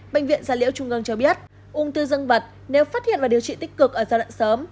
bệnh viện gia liễu trung ương cho biết ung thư dân vật nếu phát hiện và điều trị tích cực ở giai đoạn sớm